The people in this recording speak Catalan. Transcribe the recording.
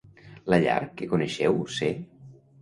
La llar que coneixeu ser